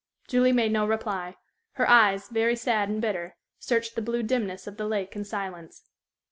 Julie made no reply. Her eyes, very sad and bitter, searched the blue dimness of the lake in silence.